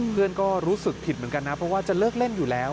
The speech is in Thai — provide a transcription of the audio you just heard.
เพื่อนก็รู้สึกผิดเหมือนกันนะเพราะว่าจะเลิกเล่นอยู่แล้ว